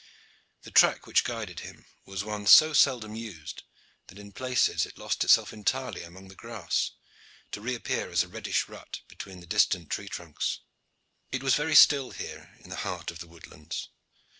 The track which guided him was one so seldom used that in places it lost itself entirely among the grass, to reappear as a reddish rut between the distant tree trunks. It was very still here in the heart of the woodlands.